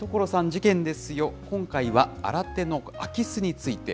事件ですよ、今回は、新手の空き巣について。